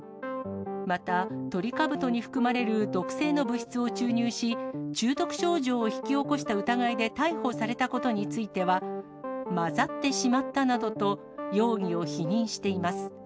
また、トリカブトに含まれる毒性の物質を注入し、中毒症状を引き起こした疑いで逮捕されたことについては、混ざってしまったなどと容疑を否認しています。